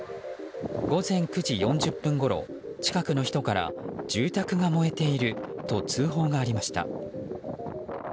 午前９時４０分ごろ近くの人から住宅が燃えていると通報がありました。